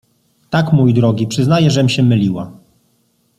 — Tak, mój drogi, przyznaję, żem się myliła.